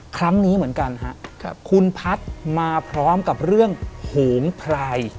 ครั้งนี้เหมือนกันฮะคุณพัฒน์มาพร้อมกับเรื่องโหงพราย